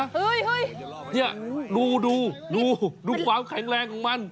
เฮ้ยเนี่ยดูดูความแข็งแรงของมัน